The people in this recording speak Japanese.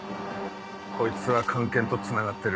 こいつは菅研とつながってる。